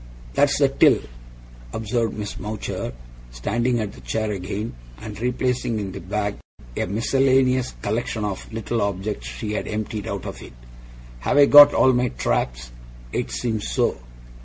'That's the Till!' observed Miss Mowcher, standing at the chair again, and replacing in the bag a miscellaneous collection of little objects she had emptied out of it. 'Have I got all my traps? It seems so.